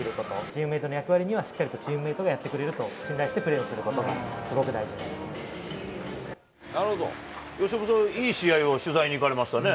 チームメートの役割には、しっかりとチームメートがやってくれると信頼してプレーすること由伸さん、いい試合を取材に行かれましたね。